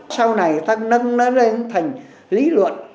sau này ta nâng nó lên thành lý luận